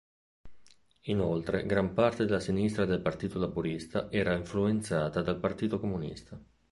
Inoltre gran parte della sinistra del Partito Laburista era influenzata dal Partito Comunista.